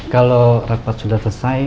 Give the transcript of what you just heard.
kalau rapat sudah selesai